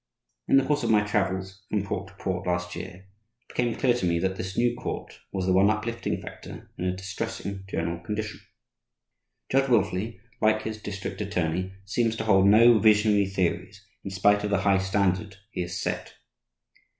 In the course of my travels from port to port last year, it became clear to me that this new court was the one uplifting factor in a distressing general condition. Judge Wilfley, like his district attorney, seems to hold no visionary theories, in spite of the high standard he has set.